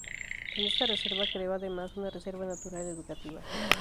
En esta reserva creó además una reserva natural educativa.